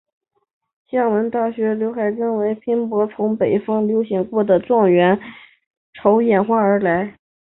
厦门大学刘海峰则认为博饼从北方流行过的状元筹演化而来。